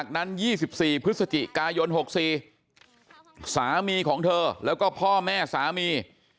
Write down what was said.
กายน๖๔สามีของเธอแล้วก็พ่อแม่สามี